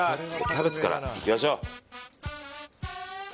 キャベツからいきましょう。